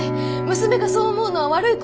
娘がそう思うのは悪いこと？